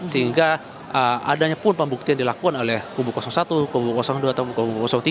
sehingga adanya pun pembuktian dilakukan oleh kubu satu kubu dua atau kubu tiga